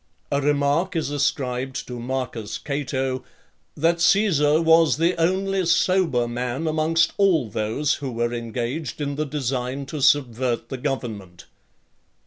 A remark is ascribed to Marcus Cato, "that Caesar was the only sober man amongst all those who were engaged in the design to subvert (35) the government."